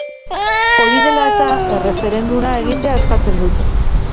Hori dela eta, erreferenduma egitea eskatzen dute.